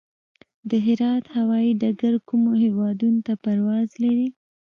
د هرات هوايي ډګر کومو هیوادونو ته پرواز لري؟